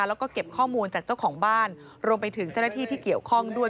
แล้วก็เก็บข้อมูลจากเจ้าของบ้านรวมไปถึงเจ้าหน้าที่ที่เกี่ยวข้องด้วย